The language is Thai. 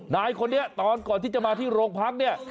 นายคนนี้ตอนก่อนที่จะมาที่โรงพักเนี่ย